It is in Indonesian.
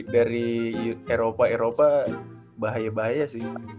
dari eropa eropa bahaya bahaya sih